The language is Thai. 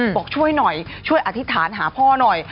บอกช่วยหน่อยช่วยอธิษฐานหาพ่อหน่อย